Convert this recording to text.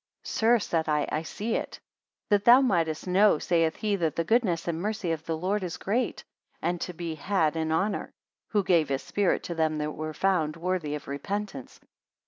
Sir, said I, I see it. 46 That thou mightest know saith he, that the goodness and mercy of the Lord is great, and to be had in honour; who gave his spirit to them that were found worthy of repentance.